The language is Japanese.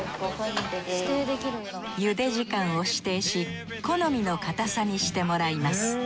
茹で時間を指定し好みの硬さにしてもらいます。